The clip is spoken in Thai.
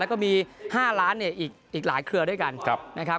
แล้วก็มี๕ล้านอีกหลายเครือด้วยกันนะครับ